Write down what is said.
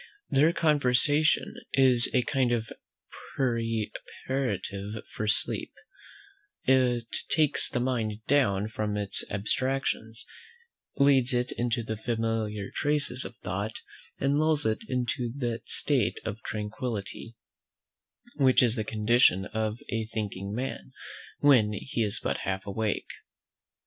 Their conversation is a kind of preparative for sleep; it takes the mind down from its abstractions, leads it into the familiar traces of thought, and lulls it into that state of tranquillity, which is the condition of a thinking man, when he is but half awake.